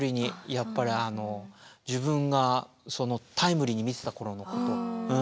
やっぱりあの自分がタイムリーに見てた頃のことを。